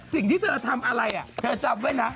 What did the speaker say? สิ่งที่เธอทำอะไรเธอจำไว้นะ